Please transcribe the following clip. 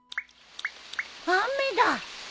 雨だ！